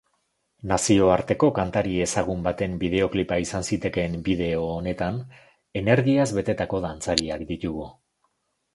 Nazioarteko kantari ezagun baten bideoklipa izan zitekeen bideo honetan energiaz betetako dantzariak ditugu.